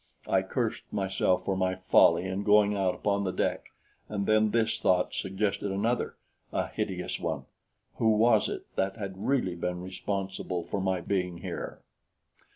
I cursed myself for my folly in going out upon the deck, and then this thought suggested another a hideous one: who was it that had really been responsible for my being here?